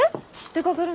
出かけるの？